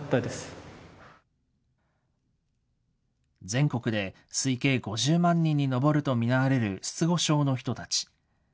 全国で推計５０万人に上ると見られる失語症の人たち。